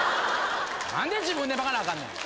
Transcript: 何で自分で巻かなあかんねん。